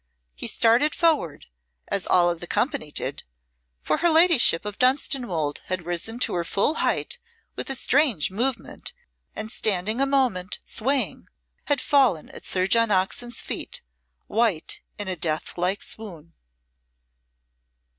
He started forward, as all the company did for her ladyship of Dunstanwolde had risen to her full height with a strange movement and, standing a moment swaying, had fallen at Sir John Oxon's feet, white in a death like swoon.